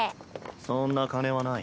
そんな金はない。